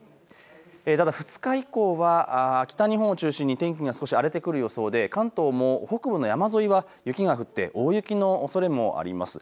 ただ２日以降は北日本を中心に天気が少し荒れてくる予想で関東も北部の山沿いは雪が降って大雪のおそれもあります。